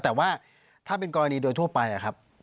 แต่ว่าถ้าเป็นกรณีโดยทั่วไปครับ